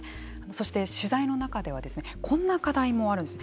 そして取材の中ではこんな課題もあるんです。